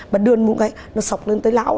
bạn đưa bún bẩn nó sọc lên tới lão